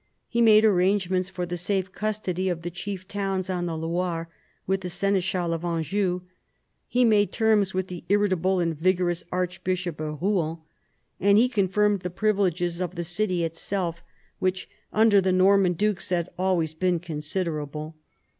He made arrangements for the safe custody of the chief towns on the Loire with the seneschal of Anjou. He made terms with the irritable and vigorous archbishop of Eouen, and he confirmed the privileges of the city itself, which under G 82 PHILIP AUGUSTUS chap. the Norman dukes had always been considerable.